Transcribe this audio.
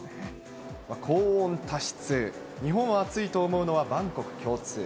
高温多湿、日本を暑いと思うのは万国共通。